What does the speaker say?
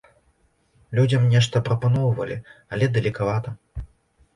Людзям нешта прапаноўвалі, але далекавата.